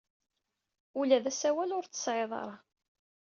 Ula d asawal ur t-tesɛid ara.